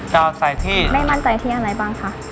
จะเอาใส่ที่ไม่มั่นใจที่อะไรบ้างคะ